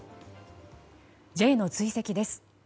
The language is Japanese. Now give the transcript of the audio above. Ｊの追跡です。